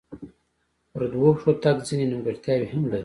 په دوو پښو تګ ځینې نیمګړتیاوې هم لري.